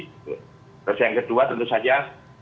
terus yang kedua tentu saja